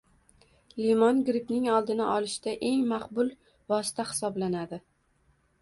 Limon grippning oldini olishda eng maqbul vosita hisoblanadi.